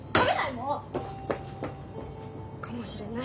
もう。かもしれない。